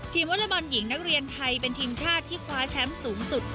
วอเล็กบอลหญิงนักเรียนไทยเป็นทีมชาติที่คว้าแชมป์สูงสุด